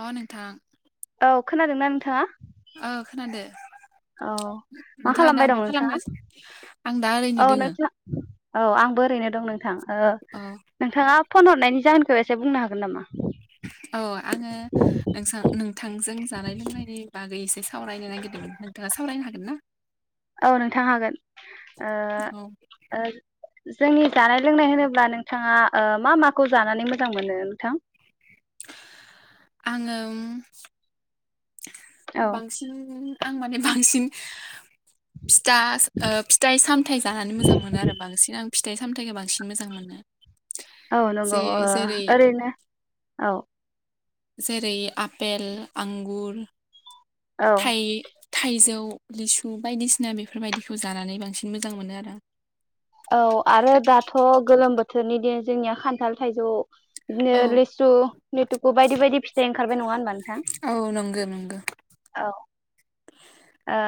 अ नोंथां औ खोनादों ना नोंथाङा ओ खोनादो औ नोंथाङा दा खालामबाय दं मा नोंथाङा खालामगासिनो आं दा ओरैनो औ दोङो नोंथां औ आंबोरैनो दं नोंथां औ नोंथाङा फन हरनायनि जाहोनखौ एसे बुंनो हागोन नामा औ आङो नोंसां नोंथांजों जानाय लोंनायनि बागै सावरायनो नागिरदोंमोन नोंथाङा सावरायनो हागोन ना औ नोंथां हागोन ओ औ ओ जोंनि दानाय लोंनाय होनोब्ला नोंथाङा मा माखौ जानानै मोजां मोनो नोंथां आङो औ बांसिन आं माने बांसिन फिथा फिथाइ सामथाइ जानानै मोजां मोनो आरो बांसिन आं फिस्थाइ सामथायाइखो बांसिन मोजां मोनो औ नंगौ जे ओ जेरै ओरैनो औ जेरै आपेल आंगुर औ [inaudible] थाइ थाइजौ लिसु बायदिसिना बेफोरबायदिखौ जानानै बांसिन मोजां मोनो आरो औ आरो दाथ' गोलोम बोथोरनि दिन। जोंनिया खान्थाल थाइजौ। बिदिनो औ लिसु लथुकु बायदि बायदि फिथाइ ओंखारबाय नङा होनबा नोंथाङ औ नंगौ नंगौ औ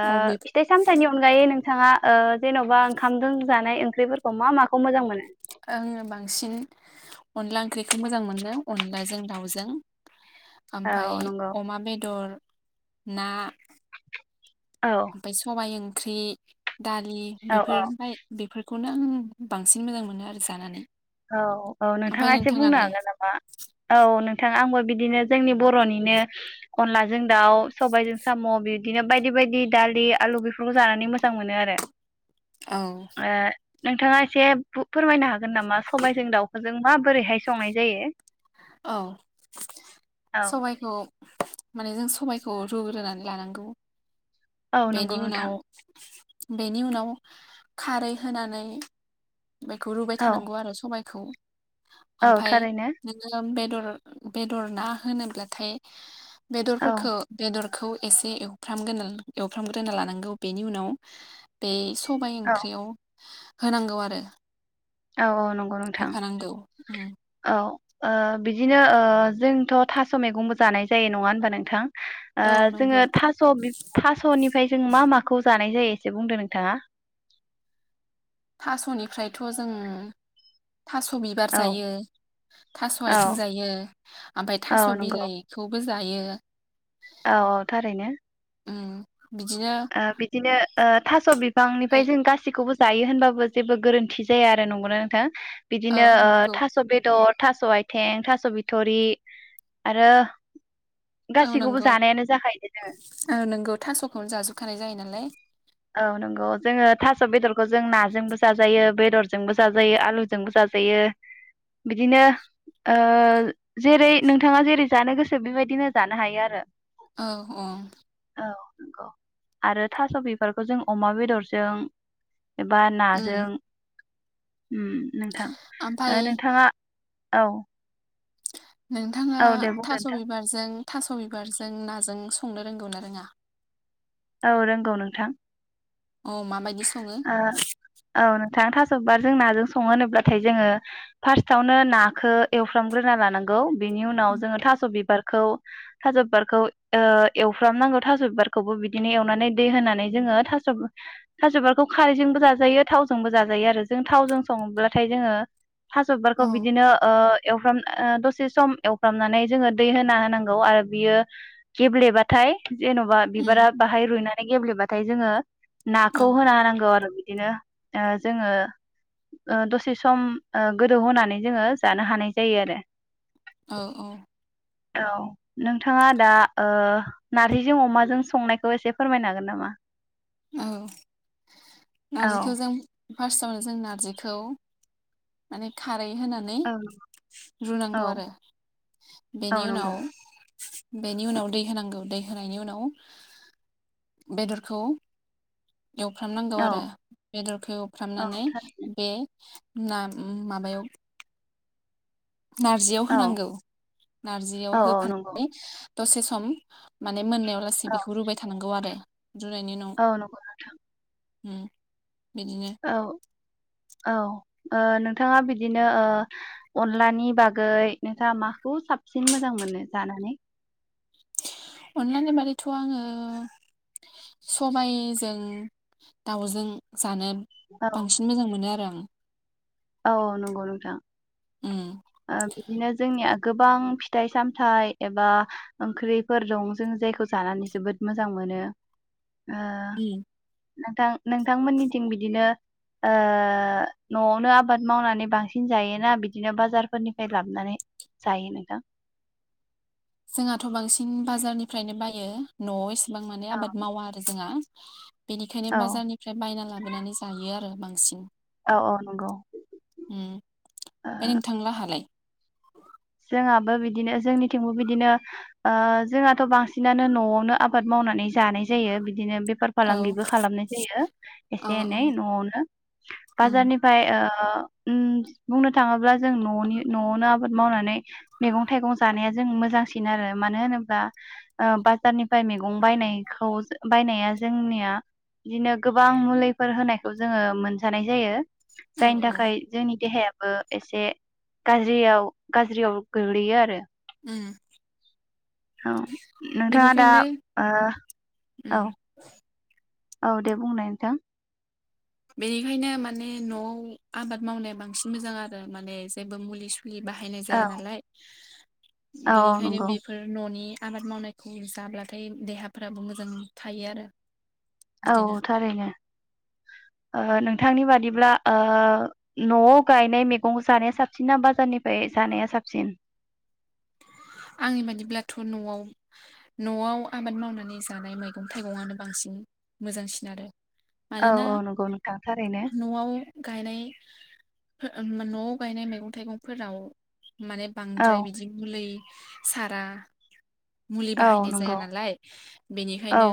औ बे फिथाइ सामथाइनि अनगायै नोंथ बिथाङा जेन'बा ओंखामजों जानाय। ओंख्रिफोरखौ मा माखौ मोजां मोनो आङो बांसिन अनला ओंख्रिखौ मोजां मोनो अनलाजों दाउजों। ओमफाय औ नंगौ अमा बेदर। ना। औ ओमफायय सबाय ओ ओंख्रि। दालि औ बेफोर औ ओफाय बेफोर। बेखौनो आं बांसिन मोजां मोनो आरो जानानै। औ औ ओमफाय नोंथाङा एसे बुंनो नोंथाङालाय हागोन नामा औ नों नथां आंबो बिदिनो जोंनि बर'निनो अनलाजों दाउ सबायजों साम' बिदिनो बायदि बायदि दालि आलु बेफोरखौ जानानै मोजां मोनो आरो। औ। ओ नोंथाङा एसे बु फोरमायनो हागोन नामा [inaudible] जों माबोरैहाय संनाय जायो औ औ सबायखौ माने जों सबायखौ रुग्रोनानै लानांगौ। औ नंगौ बेेनि उनाव नोंथां बेनि उनाव खारै होनानै बेखौ रुबाय औ थानांगौ आरो सबाय [inaudible] औ थारैनो। बेदर बेदर ना होनोब्लाथाय औ बेदरफोरखौ बेदर। खौ एसे एवफ्रामग्रोना एवफ्रामग्रोना लानांगौ बेनि उनाव बे सबायाइ औ ओंख्रियाव। होनांगौ आरो। औ औ नंगौ नोंथां होफानांगौ उम [inaudible] औ ओ बिदिनो ओ जोंथ' थास' मैगंबो जानाय जायो नङा होनबा नोंथां? ओ औ जोङो नंगौ थास' थास'निफ्राय जों मा माखौ जा नाय जायो एसे बुंदो नोंथाङा। थास'निफ्रायथ' जों थास' बिबार औ जायो, थास' औ आथिं जायो, ओमफ्राय औ थास' नंगौ बिलाइखौबो जो जायो औ औ थारैनो उम बिदिनो ओ बिदिनो ओ थास' बिफांनिफ्राय ओमफाय जों गासिखौबो जायो होनबाबो जेबो गोरोन्थि जाया आरो नंगौनो नोंथां? बिदिनो औ ओ नंगौ थास' बेदर थास' आथें, थास' बिथरि आरो औ गासैखौबो नंगौ जानायानो जाखायो जोङो। खानाय जायो नालाय। औ नंगौ जोङो थास' बेदरखौ जों नाजोंबो जाजायो बेदरजोंबो जाजायो आलुजोंबो जाजायो बिदिनो ओ जेरै नोंथाङा जेरै जानो गोसो बेबायदिनो जानो हायो आरो। औ औ औ नंगौ आरो थास' बि बारखौ जों अमा बेदरजों एबा उम नाजों उम नोंथां, ओ ओमफाय नोंथाङा औ नोंथाङा औ दे बुंदो थास' नोंथां बिबारजों थास' बिबारजों नाजों संनो रोंगौ ना रोङा? औ रोंगौ नोंथां। औ माबायदि स ओ, औ नो थां थास' बिबार जों नाजों सङो होनोब्लाथाय जोङो फार्स्टआवनो नाखौ एवफ्रामग्रोना लानांगौ। बेनि उनाव जोङो थास' बिबार खौ थास' बिबारखौ ओ एवफ्रामनांगौ थास'बारखौबो बिदिनो एवनानै दै होनानै जोङो थास' थास' बिबार खौ खारैजोंबो जाजायो थावजोंबो जाजायो आरो जों थावजों सङोब्लाथाय जोङो थास' बिबारखौ औ बिदिनो ओ एवफ्राम ओ दसे सम एवफ्रामनानै जोङो दै होना होनांगौ आरो बियो गेब्लेबाथाय जेन'बा उम बिबारा बाहाय रुनाय गेब्लेबाथाय जोङो औ नाखौ होना होनां औ आरो बिदिनो ओ जोङो दसे सम गोदौ होनानै जोङो जानो हानाय जायो आरो औ औ औ नोंथाङा दा ओ नारजिजों अमाजों संनायखौ एसे फोरमायनो हागोन नामा? औ औ नारजिथ' जों फार्स्टआवनो जों नारजिखौ माने खार रै होनानै रुनांगौ औ आरो औ बेनि नंगौ उनाव बेनि उनाव दै होनांगौ दै होनायनि उनाव बेदरखौ एवफ्रामनांगौ औ आरो बेदरखौ औ एवफ्रामनानै थारैनो बे ना माबायाव नारजियाव औ होनांगौ नारजियाव औ नंगौ होफानानै दसे सम मान ने मोननायाव लासै औ बेखौ थांग आरो रनायनि उनाव औ नंगौ हम बिदिनो औ औ ओ नोंथाङा बिदिनो ओ अनलानि बागै नोंथाङा माखौ साबसिन मोजां मोनो जानानै। अनलानि बादैथ' आङो सबायजों दाउजों जानो औ बांसिन मोजां मोनो आरो उम औ नंगौ नोंथां उम ओ बिदिनो जोंनि आ गोबां फिथाइ सामथाइ एबा ओंख्रिफोर दं जों जायखौ जानानै जोबोद मोजां मोनो। ओ उम नोंथां नोंथांमोननिथिं बिदिनो ओ न'आवनो आब बाद मावनानै बांसिन जायोना बिदिनो बाजारफोरनिफ्राय लाबोनानै जायो नोंथा? जोंहाथ' बांसिन बाजारनिफ्रायनो बायो न'वाव ए बां माने आबाद मावा आरो जोंहा। [inaudible] बेनिखायनो औ बाजारनिफ्राय बायना लाबोनानै जायो आरो बांसिन औ औ नंगौ उम ओमफ्राय नोंथांलाहालाय [inaudible] जोंहाबो बिदिनो जोंनिथिंबो बिदिनो ओ जोंहाथ' बांसिनानो न'आवनो आबाद मावनानै जानाय जायो। बि दिनो बेफार औ फालांगिबो खालामनाय जायो औ एसे औ एनै न'आवनो उम बाजारनिफ्राय ओ ओ उम बुंनो थाङोब्ला जों न'नि न'आवनो आबाद मावनानै मैगं थाइगं जानाया जों मोजांसिन आरो मानो होनोब्ला बाजारनिफ्राय मैगं बायनायखौ बायनाया जोंनिया बिदिनो गोबां मुलिफोर होनायखौ जोंङो मोनजानाय जायो औ जायनि औ थाखाय जोंनि देहाया एसे गाज्रियाव गोग्लैयो आरो ओ औ नोंथाङा दा ओ उम औ औ दे बुंनाय नोंथां बेनिखायनो माने न'आव आबाद मावनाया बांसिन मोजां आरो माने जेबो मुलि- बि बाहायनाय औ जाया नालाय औ औ बेनिखायनो नंगौ बेफोर न'नि आबाद मावनायखौ जाब्लाथाय देहाफ्राबो मोजां थायो आरो औ बिदिनो थारैनो ओ नोंथांनि बादिब्ला ओ न'आव गायनाय मैगं जानाया साबसिन ना बाजारनिफ्राय जानाया साबसिन? आंनि बादिब्लाथ' न'आव न'आव आबाद मावनानै जानाय मैगं थाइगंआनो बांसिन मोजांसिन आरो औ मानोना औ नंगौ नोंथां थारैनो न'आव गायनाय न'आव गायनाय मैगं थाइगंफोराव माने औ बांद्राय बिदि मुलै सारा मुलि औ बाहायनाय जाया नंगौ नालाय औ बेनिखायनो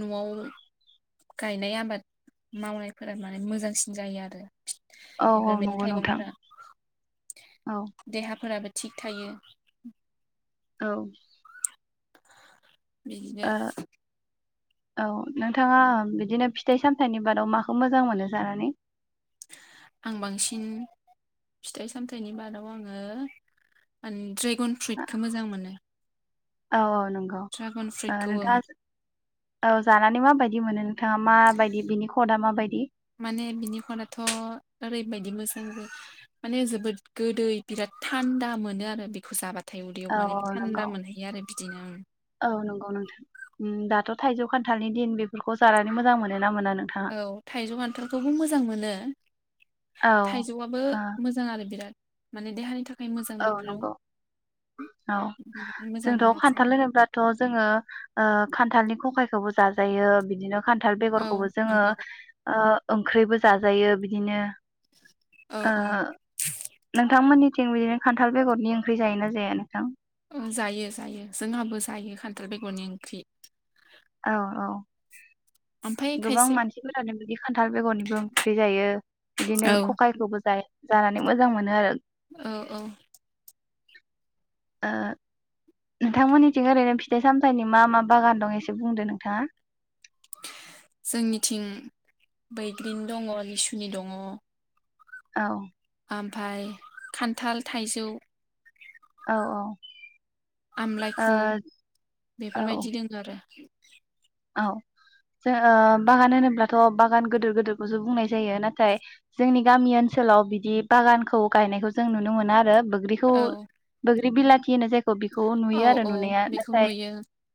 न'आव गायनाय आबाद मावनायफोरा माने मोजांसिन जायो आरो औ बेफोर औ मैगं नंगौ नोंथां थाइगंफोरा औ देहाफोराबो थिग थायो औ बिदिनो ओ औ नोंथाङा बिदिनो फिथाइ सामथाइनि बादाव माखौ मोजां मोनो जानानै? आं बांसिन फिथाइ सामथाइनि बादाव आङो आं द्रे गन फ्रुइटखौ मोजां मोनो औ औ नंगौ ड्रागन नोंथाङा ओ फ्रुइटखौ ओं नोंथाङा जे औ जानानै माबायदि मोनो नोंथाङा माबायदि बिनि खदा माबायदि? माने बिनि खनाथ' ओरैबायदि मोजां माने जोबोद गोदै बिराद थान्दा मोनो आरो बेखौ जाबा औ नंगौ आं औ नंगौ नोंथां दाथ' थाइजौ खान्थालनि दिन बेफोरखौ जानानै मोजां मोनोना मोना नोंथाङा? औ थाइजौ खान्थालखौबो मोजां मोनो औ थाइजौआबो ओ मोजां आरो बिराद माने देहानि थाख औ नंगौ औ बेनिखायनो मोजां मोनो जोंथ' आरो जों खान्थाल होनोब्लाथ' जोङो ओ खान्थालनि खखायखौबो जाजायो बिदिनो खान्थाल औ बेगरखौबो जोङो नंगौ ओ ओंख्रिबो जाजायो बिदिनो औ ओ औ नोंथांमोननि थिं बिदिनो खान्थाल बेगरनि ओंख्रि जायो ना जायानो? ओ जायो जायो जोंहाबो जायो खान्थाल बेगरनि ओंख्रि। औ औ। ओमफ्राय गोबां खायसे मानसिफोरानो बिदि खान्थाल बेगरनिबो ओंख्रि जायो, औ बिदिनो खकायखौबो जायो। जानानै मोजां मोनो आरो। औ औ। आ नोंथांमोननिथिं ओरैनो फिथाइ सामथाइनि मा मा बागान दं एसे बुंदो नोंथाङा? जोंनिथिं बैग्रिं दङ लिसु नि दङ। औ। आमफाय खान्थाल, थाइजौ औ औ। ओ आमलायखु बेफोरबायदि दोङो आरो। औ जों ओ बागान होनोब्लाथ' बागान गोदोर गोदोरखौसो बुंनाय जायो नाथाय जोंनि गामि ओनसोलाव बिदि बागानखौ गायनायखौ जों नुनो मोना आरो। बोग्रिखौ औ बोग्रि बैग्रि बिलाथि होनो जे बेखौ औ नुयो आरो औ नुनाया बेखौ नाथाय नुयो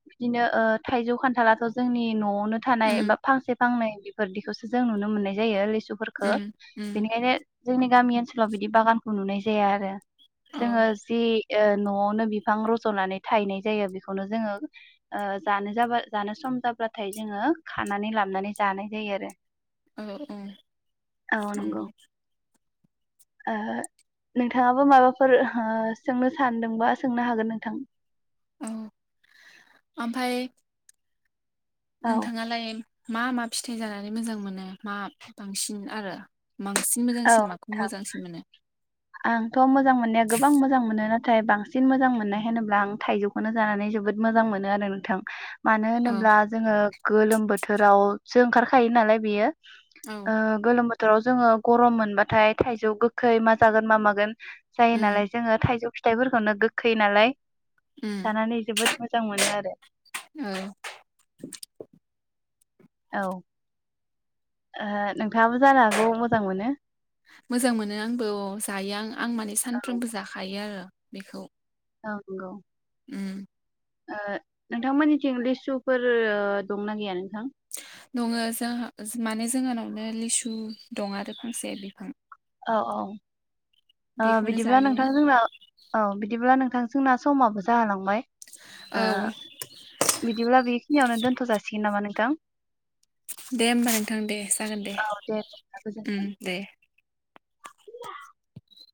बिदिनो ओ थाइजौ खान्थाला ओ जोंनि न' वावनो थानाय उम बा फांसे फांनै बेफोरदिखौसो जों नुनो मोननाय जायो लेसु बेफोरखो उम उम बेनिखायनो जोंनि गामि ओनसोलाव बिदि बागानखौ नुनाय जाया आरो। औ जोङो जि ओ न'आवनो बिफां रज'नानै थायनाय जायो बेखौनो जोङो ओ जानो जाबा जानो सम सम जाबाथाय जोङो खानानै लाबनानै जानाय जायो आरो। औ औ नंगौ। ओ नोंथाङाबो माबाफोर हो सोंनो सानदोंबा सोंनो हागोन नोंथां। औ ओमफाय औ नोंथाङालाय मा मा फिथाइ जानानै मोजां मोनो मा बांसिन आरो। बांसिन मोजां औ सिन माखौ नोंथां मोजांसिन मोनो? आंथ' मोजां मोननाया गोबां मोजां मोनो। नाथाय बांसिन मोजां मोननाय होनोब्ला आं थाइजौखौनो जानानै जोबोद मोजां मोनो आरो नोंथां। मानो औ होनोब्ला जोङो गोलोम बोथोरावसो ओंखारखायो नालाय बेयो औ ओ गोलोम बो थोराव जोङो गरम मोनबाथाय थाइजौ गोखै जागोन मा मागोन जायो उम नालाय जोङो थाइजौ फि थायफोरखौनो गोखै नालाय उम जानानै जोबोत मोजां मोनो आरो। औ औ ओ नों मोजां मोनो आंबो अ जायो आं। आं माने औ सानफ्रोमबो जाखायो आरो‌। बेखौ औ नंगौ उम ओ नोंथांमोननिथिं लिसुफोर दंना गैयानो दङो जोंहा माने जोंहानाव बियावनो लिसु दं आरो फांसे बिफां औ औ ओ बेखौनो बिदिब्ला जायो नोंथां जोंना औ बिदिब्ला नों थां जोंना समाबो जाहोलांबाय औ ओ बिदिब्ला बेखिनियावनो दोनथ' जासिगोन नामा नोंथां? दे होमबा नोंथां दे जागोन औ दे बिदिब्ला गोजोन्थों। उम दे [unintelligible]